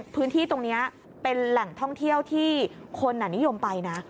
พื้นที่ตรงนี้เป็นแหล่งท่องเที่ยวที่คนนิยมไปนะ